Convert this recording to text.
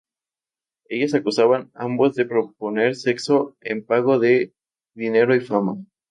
Ellas acusaban ambos de proponer sexo en pago de dinero y fama.